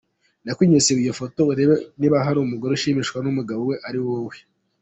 Ndakwinginze siba iyo foto urebengo niba harumugore ishimishwa numugabo we araba wowe.